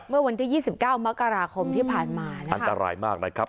เมื่อวันที่ยี่สิบเก้ามกราคมที่ผ่านมานะครับอันตรายมากนะครับ